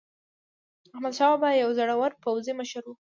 احمدشاه بابا یو زړور پوځي مشر و.